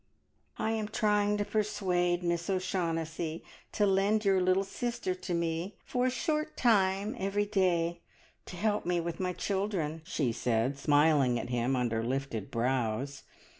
"I am trying to persuade Miss O'Shaughnessy to lend your little sister to me for a short time every day, to help me with my children," she said, smiling at him under lifted brows.